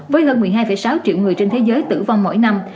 với hơn một mươi hai sáu triệu người trên thế giới tử vong mỗi năm